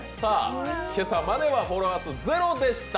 今朝まではフォロワー数０でした。